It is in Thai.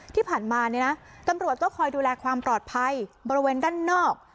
ที่ผ่านมาเนี่ยนะตำรวจก็คอยดูแลความปลอดภัยบริเวณด้านนอก